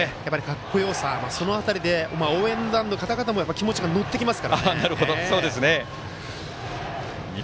かっこよさそういう辺りで応援団の方々も気持ちが乗ってきますからね。